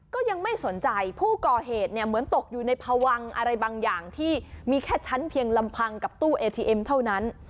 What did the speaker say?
ก็ยังไม่สนใจผู้ก่อเหตุเนี่ยเหมือนตกอยู่ในพวังอะไรบางอย่างที่มีแค่ชั้นเพียงลำพังกับตู้เอทีเอ็มเท่านั้น